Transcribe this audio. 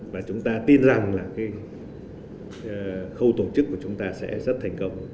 và chúng ta tin rằng là khâu tổ chức của chúng ta sẽ rất thành công